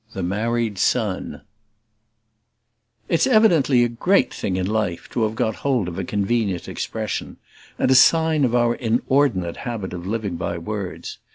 VII. THE MARRIED SON, by Henry James It's evidently a great thing in life to have got hold of a convenient expression, and a sign of our inordinate habit of living by words.